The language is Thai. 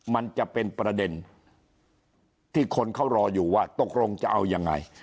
มันจะเป็นประเด็นที่คนเขารออยู่ว่าตกลงจะเอายังไง